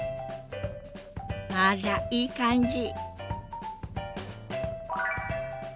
あらいい感じ。